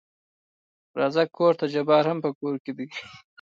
راځه کورته جبار هم په کور کې دى.